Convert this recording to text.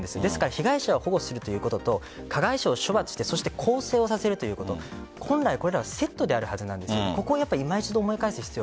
被害者を保護するということと加害者を処罰して更生させるということ本来これらがセットであるはずなんです。